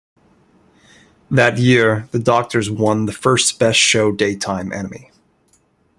That year, "The Doctors" won the first Best Show Daytime Emmy.